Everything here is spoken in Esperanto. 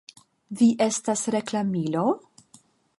Vi estas reklamilo!?